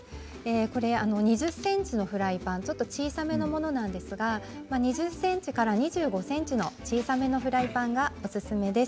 これは２０ｃｍの少し小さめのものなんですが２０ｃｍから２５ｃｍの小さめのフライパンがおすすめです。